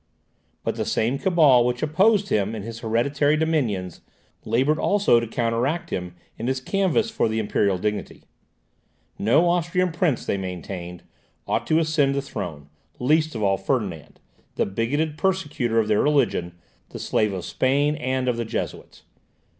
But the same cabal which opposed him in his hereditary dominions, laboured also to counteract him in his canvass for the imperial dignity. No Austrian prince, they maintained, ought to ascend the throne; least of all Ferdinand, the bigoted persecutor of their religion, the slave of Spain and of the Jesuits.